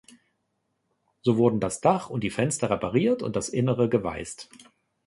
So wurden das Dach und die Fenster repariert und das Innere geweißt.